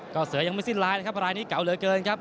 ก็เสือยังไม่สิ้นลายนะครับรายนี้เก่าเหลือเกินครับ